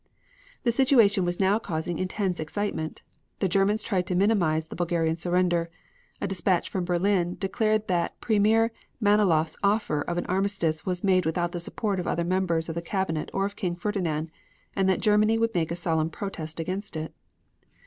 The situation was now causing intense excitement. The Germans tried to minimize the Bulgarian surrender. A dispatch from Berlin declared that Premier Malinoff's offer of an armistice was made without the support of other members of the Cabinet or of King Ferdinand, and that Germany would make a solemn protest against it.